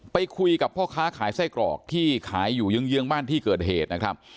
ไปคุยกับพ่อค้าขายไส้กรอกที่ขายอยู่เยื้องบ้านที่เกิดเหตุนะครับ